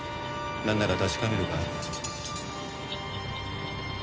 なんなら確かめるか？